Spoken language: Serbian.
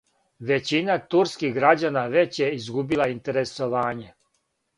Већина турских грађана већ је изгубила интересовање.